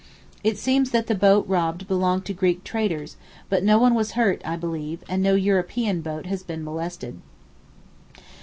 It seems that the boat robbed belonged to Greek traders, but no one was hurt, I believe, and no European boat has been molested.